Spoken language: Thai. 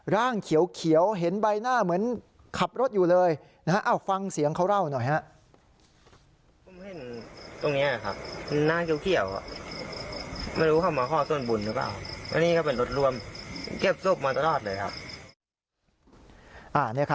ร่างเขียวเห็นใบหน้าเหมือนขับรถอยู่เลยนะฮะฟังเสียงเขาเล่าหน่อยฮะ